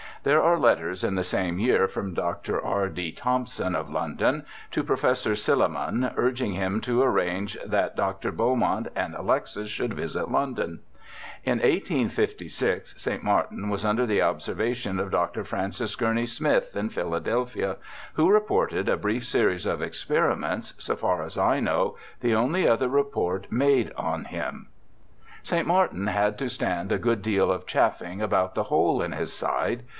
There are letters in the same year from Dr. R. D. Thomson, of London, to Professor Silliman, urging him to arrange A BACKWOOD PHYSIOLOGIST 167 that Dr. Beaumont and Alexis should visit London. In 1856 St. Martin was under the observation of Dr. Francis Gurney Smith, in Philadelphia, who reported a brief series of experiments, so far as I know the only other report made on him.^ St. Martin had to stand a good deal of chaffing about the hole in his side.